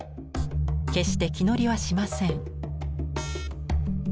決して気乗りはしません。